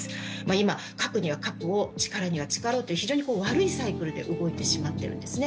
今、核には核を、力には力をという非常に悪いサイクルで動いてしまっているんですね。